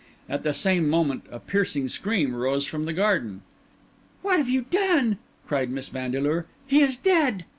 At the same moment a piercing scream rose from the garden. "What have you done?" cried Miss Vandeleur. "He is dead!"